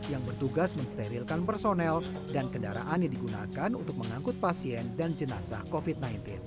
yang bertugas mensterilkan personel dan kendaraan yang digunakan untuk mengangkut pasien dan jenazah covid sembilan belas